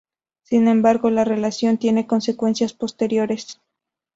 Sin embargo, la relación tiene consecuencias posteriores.